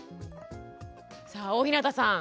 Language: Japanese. さあ大日向さん